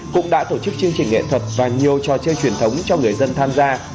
cũng đã tổ chức chương trình nghệ thuật và nhiều trò chơi truyền thống cho người dân tham gia